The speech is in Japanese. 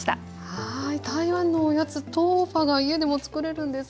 はい台湾のおやつ豆花が家でもつくれるんですね。